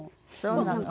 そうなの。